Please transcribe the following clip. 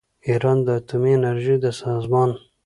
ایران د اتومي انرژۍ د سازمان